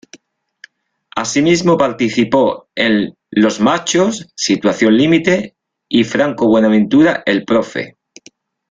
Asimismo, participó en "Los machos", "Situación límite" y "Franco Buenaventura, el profe".